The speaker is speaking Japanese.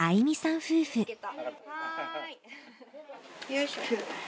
よいしょ。